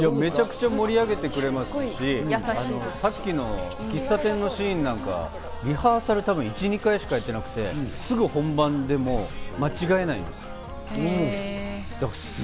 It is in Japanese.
めちゃくちゃ盛り上げてくれますし、さっきの喫茶店のシーンなんか、リハーサルは１２回しかやってなくて、すぐ本番で間違えないんです。